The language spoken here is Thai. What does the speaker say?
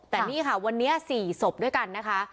แต่นี่ค่ะวันนี้๔ศพด้วยกันนะคะ